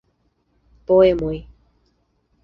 Poemoj.